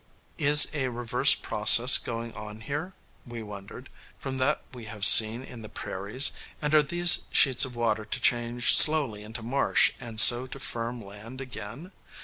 Is a reverse process going on here, we wondered, from that we have seen in the prairies, and are these sheets of water to change slowly into marsh, and so to firm land again?